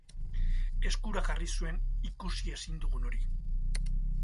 Eskura jarri zuen ikusi ezin dugun hori.